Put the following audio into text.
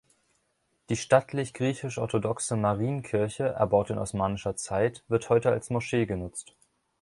Die stattliche griechisch-orthodoxe Marien-Kirche, erbaut in osmanischer Zeit, wird heute als Moschee genutzt.